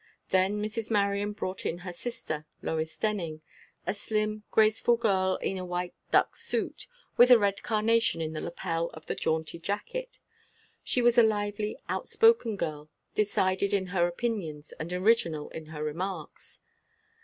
Then Mrs. Marion brought in her sister, Lois Denning a slim, graceful girl in a white duck suit, with a red carnation in the lapel of the jaunty jacket. She was a lively, outspoken girl, decided in her opinions, and original in her remarks.